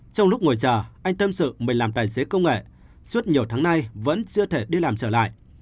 trong lúc ngồi chờ anh tâm sự mới làm tài xế công nghệ suốt nhiều tháng nay vẫn chưa thể đi làm trở lại